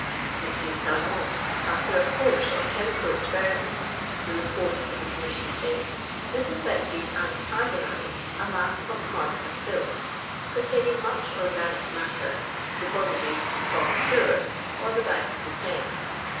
M. SahiK.in, after a course of che mical experiments (the Kcport of the Com mission states), disinfected and carbonized a mass of mud and filth, containing much organic matter, deposited (from a sewer) on the banks of the Seine.